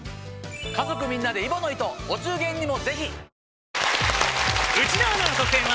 家族みんなで揖保乃糸お中元にもぜひ！